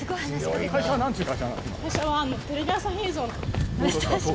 会社はテレビ朝日映像。